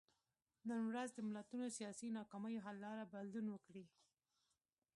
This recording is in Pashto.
نن ورځ د ملتونو سیاسي ناکامیو حل لاره بدلون وکړي.